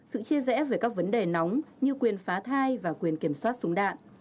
sự chia rẽ về các vấn đề nóng như quyền phá thai và quyền kiểm soát súng đạn